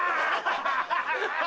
ハハハ！